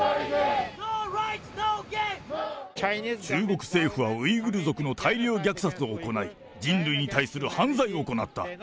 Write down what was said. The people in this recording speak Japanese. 中国政府はウイグル族の大量虐殺を行い、人類に対する犯罪を行った。